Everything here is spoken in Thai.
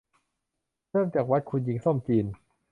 เริ่มจากวัดคุณหญิงส้มจีน